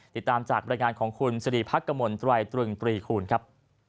ติดตามจากบริการของคุณสรีภักรกรมนตรวัยตรึงตรีคูณครับ